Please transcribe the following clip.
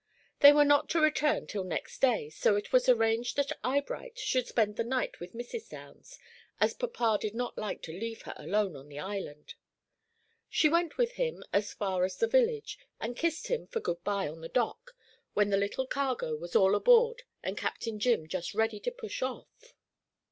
They were not to return till next day, so it was arranged that Eyebright should spend the night with Mrs. Downs, as papa did not like to leave her alone on the island. She went with him as far as the village, and kissed him for good by on the dock, when the little cargo was all on board and Captain Jim just ready to push off.